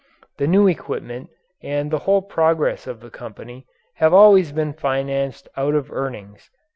The new equipment and the whole progress of the company have always been financed out of earnings.